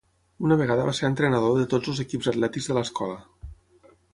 Una vegada va ser entrenador de tots els equips atlètics de l'escola.